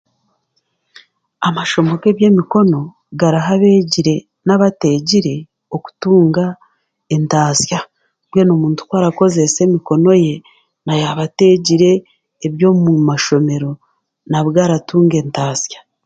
Amashomo g'eby'emikono garaha abeegire n'abateegire okutunga entaasya mbwenu omuntu ku arakozesa emikono ye n'ayaaba ateegire eby'omu mashomero nabwe aratunga entaasya.